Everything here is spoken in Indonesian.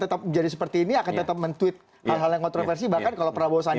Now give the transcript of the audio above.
tetap jadi seperti ini akan tetap men tweet hal hal yang kontroversi bahkan kalau prabowo sandi